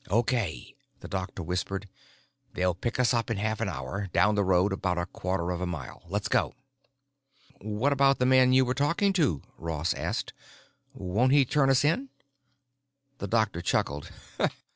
"Okay," the doctor whispered. "They'll pick us up in half an hour, down the road about a quarter of a mile. Let's go." "What about the man you were talking to?" Ross asked. "Won't he turn us in?" The doctor chuckled.